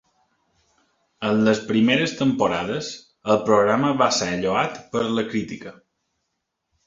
En les primeres temporades, el programa va ser lloat per la crítica.